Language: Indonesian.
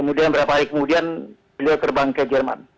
kemudian beberapa hari kemudian beliau terbang ke jerman